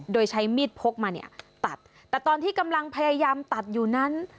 โดยใช้มีดพกมาเนี่ยตัดแต่ตอนที่กำลังพยายามตัดอยู่นั้น